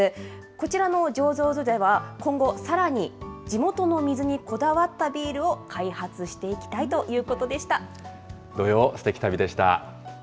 こちらの醸造所では今後さらに、地元の水にこだわったビールを開発していきたいというこ土曜すてき旅でした。